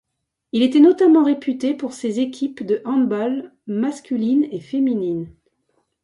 Il était notamment réputé pour ses équipes de handball masculine et féminine.